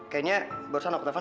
kayaknya barusan aku telepon